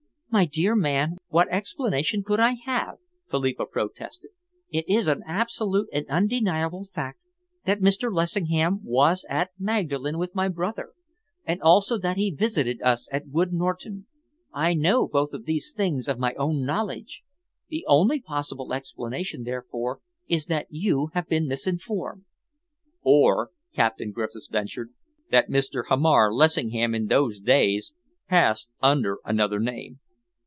"My dear man, what explanation could I have?" Philippa protested, "it is an absolute and undeniable fact that Mr. Lessingham was at Magdalen with my brother, and also that he visited us at Wood Norton. I know both these things of my own knowledge. The only possible explanation, therefore, is that you have been misinformed." "Or," Captain Griffiths ventured, "that Mr. Hamar Lessingham in those days passed under another name."